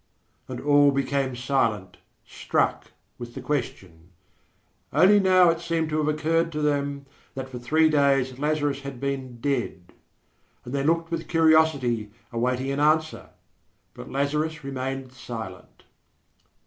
And all became silent, struck with the question. Only now it seemed to have occurred to them that for three days Lazarus had been dead; and they looked with curiosity, awaiting an answer. But Lazarus remained silent.